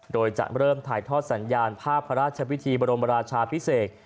โดยจะเริ่มถ่ายทอดสัญญาณภาพพระราชวิธีบรมราชาพิเศษ